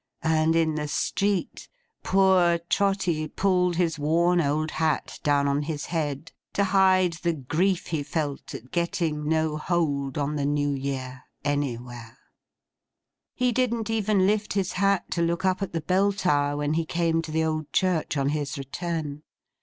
And in the street, poor Trotty pulled his worn old hat down on his head, to hide the grief he felt at getting no hold on the New Year, anywhere. He didn't even lift his hat to look up at the Bell tower when he came to the old church on his return.